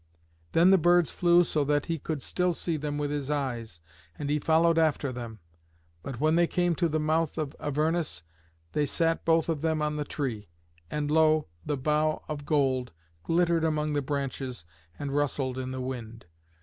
Then the birds flew so that he could still see them with his eyes, and he followed after them. But when they came to the mouth of Avernus, they sat both of them on the tree. And lo! the bough of gold glittered among the branches and rustled in the wind.